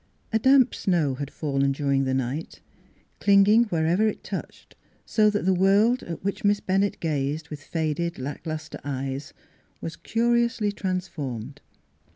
A damp snow had fallen during the night, clinging wherever it touched, so that the world at which Miss Bennett gazed with faded, lack lustre eyes was curiously transformed.